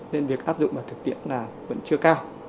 nên việc áp dụng và thực hiện là vẫn chưa cao